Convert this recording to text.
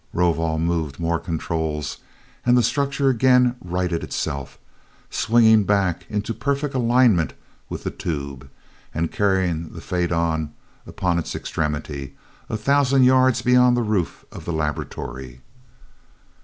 Rovol moved more controls and the structure again righted itself, swinging back into perfect alignment with the tube and carrying the faidon upon its extremity, a thousand yards beyond the roof of the laboratory.